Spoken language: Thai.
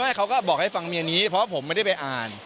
เขาก็บอกให้ฟังเมียนี้เพราะผมไม่ได้ไปอ่าน